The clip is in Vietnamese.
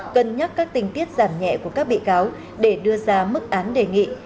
cân nhắc các tình tiết giảm nhẹ của các bị cáo để đưa ra mức án đề nghị